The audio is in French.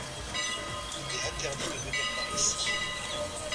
Il est interdit de venir par ici.